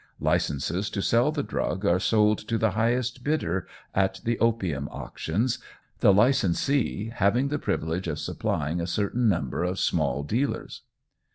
Licences to sell the drug are sold to the highest bidder at the opium auctions, the licensee having the privilege of supplying a certain number of small dealers.